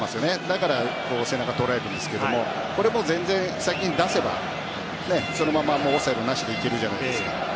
だから背中を取られるんですけどこれも先に出せばそのままオフサイドなしで行けるじゃないですか。